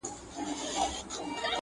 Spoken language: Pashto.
یو څه بېخونده د ده بیان دی.!